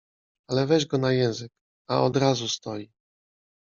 Ale weź go na język, a od razu stoi.